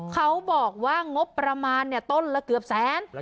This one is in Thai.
เขาบอกว่างบประมาณเนี่ยต้นก็คือแสน